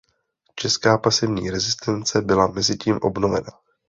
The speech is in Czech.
Česká pasivní rezistence byla mezitím obnovena.